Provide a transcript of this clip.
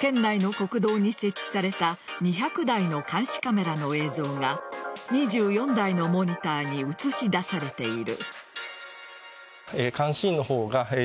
県内の国道に設置された２００台の監視カメラの映像が２４台のモニターに映し出されている。